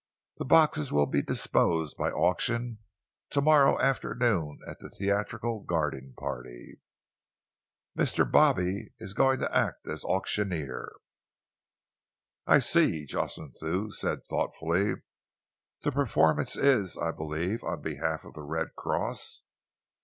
The boxes will be disposed of by auction to morrow afternoon at the Theatrical Garden Party. Mr. Bobby is going to act as auctioneer." "I see," Jocelyn Thew said thoughtfully. "The performance is, I believe, on behalf of the Red Cross?"